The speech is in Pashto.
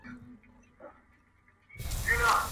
نن دي جهاني غزل ته نوی رنګ ورکړی دی-